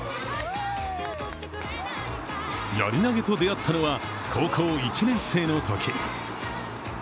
やり投げと出会ったのは、高校１年生のとき。